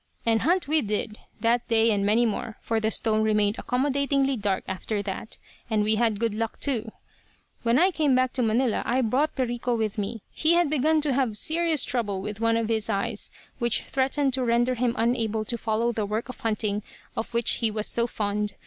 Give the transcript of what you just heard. "And hunt we did, that day, and many more for the stone remained accommodatingly dark after that and we had good luck, too. "When I came back to Manila I brought Perico with me. He had begun to have serious trouble with one of his eyes, which threatened to render him unable to follow the work of hunting of which he was so fond.